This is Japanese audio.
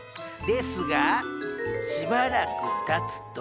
ですがしばらくたつと。